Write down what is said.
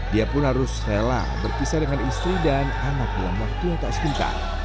dia pun harus rela berpisah dengan istri dan anak dalam waktu yang tak sebentar